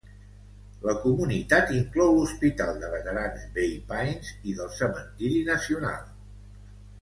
La comunitat inclou l'hospital de veterans Bay Pines i del cementiri nacional.